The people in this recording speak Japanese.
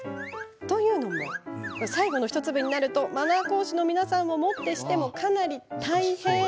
というのも、最後の１粒になるとマナー講師の皆さんをもってしても、かなり大変。